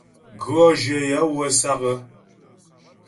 Gʉɔ́ jyə yaə̌ wə́ sǎk.